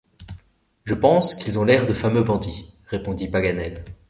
Je pense qu’ils ont l’air de fameux bandits, répondit Paganel.